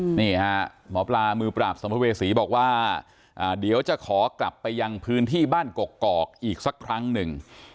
นี่ฮะหมอปลามือปราบสัมภเวษีบอกว่าอ่าเดี๋ยวจะขอกลับไปยังพื้นที่บ้านกกอกอีกสักครั้งหนึ่ง